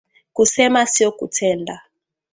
kusema sio kutenda